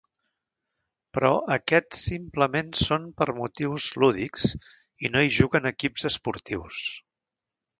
Però, aquests simplement són per motius lúdics i no hi juguen equips esportius.